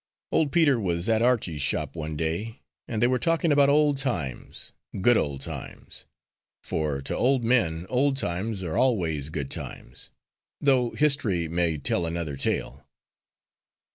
Old Peter was at Archie's shop one day, and they were talking about old times good old times for to old men old times are always good times, though history may tell another tale.